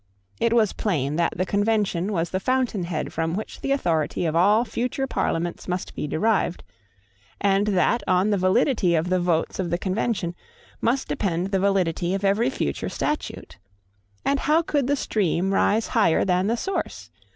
It was plain that the Convention was the fountainhead from which the authority of all future Parliaments must be derived, and that on the validity of the votes of the Convention must depend the validity of every future statute. And how could the stream rise higher than the source?